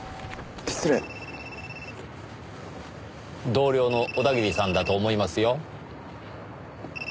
同僚の小田切さんだと思いますよ。